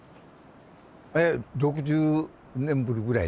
６０年ぶりぐらい？